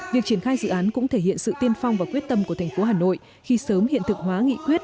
việc triển khai dự án cũng thể hiện sự tiên phong và quyết tâm của thành phố hà nội khi sớm hiện thực hóa nghị quyết